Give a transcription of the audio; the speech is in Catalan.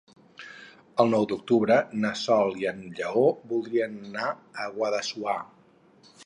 El nou d'octubre na Sol i en Lleó voldrien anar a Guadassuar.